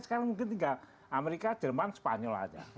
sekarang mungkin tinggal amerika jerman spanyol aja